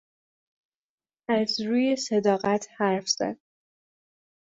از روی صداقت حرف زد.